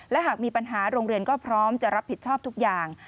และหากมีปัญหาโรงเรียนก็พร้อมจะรับผิดชอบทุกอย่าง